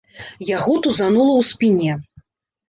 Яго тузанула ў спіне.